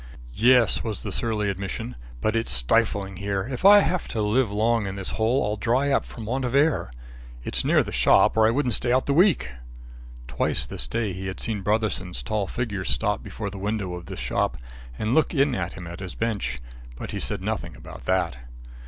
"Yes," was the surly admission. "But it's stifling here. If I have to live long in this hole I'll dry up from want of air. It's near the shop or I wouldn't stay out the week." Twice this day he had seen Brotherson's tall figure stop before the window of this shop and look in at him at his bench. But he said nothing about that.